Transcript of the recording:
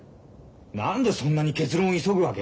何でそんなに結論を急ぐわけ？